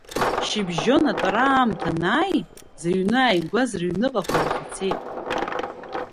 Шьыбжьон атәара аамҭа анааи, зыҩны ааигәаз рыҩныҟақәа рахь ицеит.